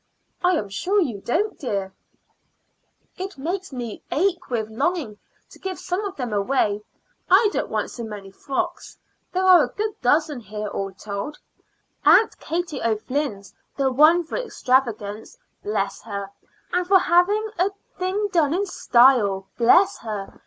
"I am sure you don't, dear." "It quite makes me ache with longing to give some of them away. I don't want so many frocks: there are a good dozen here all told. Aunt Katie O'Flynn's the one for extravagance, bless her! and for having a thing done in style, bless her!